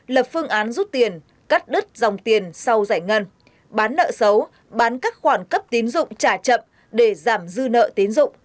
lập phương án rút tiền cắt đứt dòng tiền sau giải ngân bán nợ xấu bán các khoản cấp tín dụng trả chậm để giảm dư nợ tín dụng